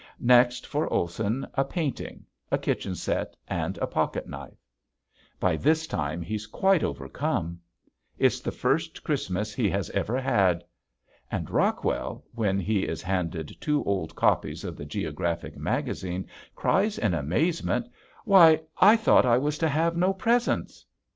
Next for Olson a painting, a kitchen set, and a pocketknife. By this time he's quite overcome. It's the first Christmas he has ever had! And Rockwell, when he is handed two old copies of the "Geographic Magazine" cries in amazement, "Why I thought I was to have no presents!"